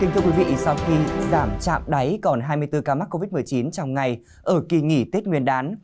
thưa quý vị sau khi giảm trạm đáy còn hai mươi bốn ca mắc covid một mươi chín trong ngày ở kỳ nghỉ tết nguyên đán